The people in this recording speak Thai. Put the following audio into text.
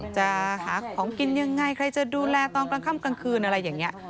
จะหาของกินยังไงใครจะดูแลตอนกลางค่ำกลางคืนอะไรอย่างนี้